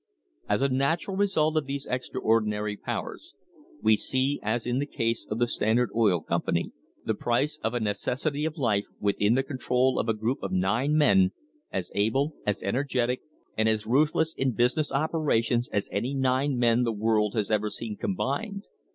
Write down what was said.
As a natural result of these extraordinary powers, we see, as in the case of the Standard Oil Company, the price of a necessity of life within the control of a group of nine men, as able, as ener getic, and as ruthless in business operations as any nine men the world has ever seen combined.